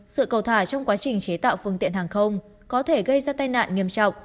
sự cầu thả trong quá trình chế tạo phương tiện hàng không có thể gây ra tai nạn nghiêm trọng